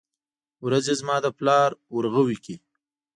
ورځې زما د پلار ورغوو کې ،